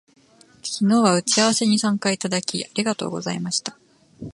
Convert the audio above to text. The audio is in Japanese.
昨日は打ち合わせに参加いただき、ありがとうございました